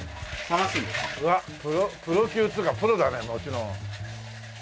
うわプロ級っていうかプロだねもちろん。